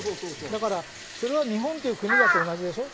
だからそれは日本という国だって同じでしょ。